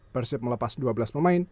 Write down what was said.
persib melepas dua belas pemain